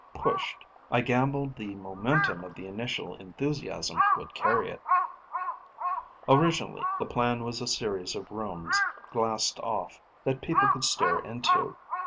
Pushed. I gambled the momentum of the initial enthusiasm would carry it. Originally the plan was a series of rooms, glassed off, that people could stare into.